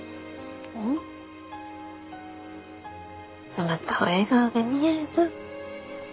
そなたは笑顔が似合うぞ。